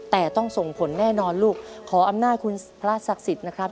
แต่ต้องส่งผลแน่นอนลูกขออำนาจคุณพระศักดิ์สิทธิ์นะครับ